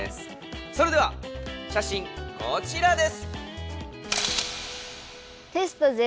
それでは写真こちらです。